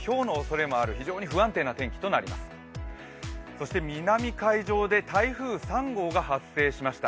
そして南海上で台風３号が発生しました。